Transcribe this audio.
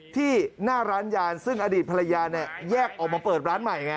ที่หน้าร้านยานซึ่งอดีตภรรยาเนี่ยแยกออกมาเปิดร้านใหม่ไง